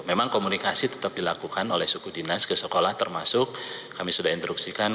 memang komunikasi tetap dilakukan oleh suku dinas ke sekolah termasuk kami sudah instruksikan